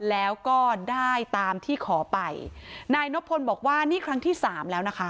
แล้วก็ได้ตามที่ขอไปนายนพลบอกว่านี่ครั้งที่สามแล้วนะคะ